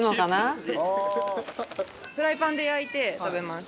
フライパンで焼いて食べます。